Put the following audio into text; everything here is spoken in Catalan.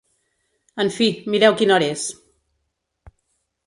En fi, mireu quina hora és.